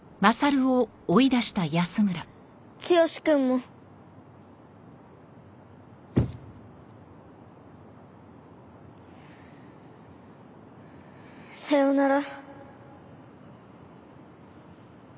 剛くんも。さようなら。